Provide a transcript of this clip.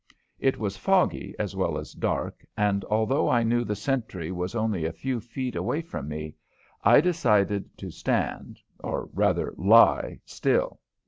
It was foggy as well as dark, and although I knew the sentry was only a few feet away from me I decided to stand, or rather lie still.